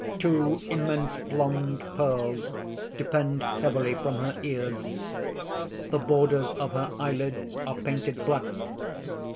Two immense blond pearls depend heavily from her ears. The borders of her eyelids are painted black.